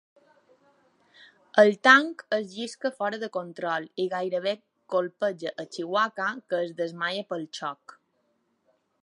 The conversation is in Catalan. El tanc es llisca fora de control i gairebé colpeja a Chewbacca, que es desmaia pel xoc.